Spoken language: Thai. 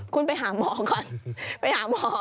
คุณไปหาหมอก่อนไปหาหมอ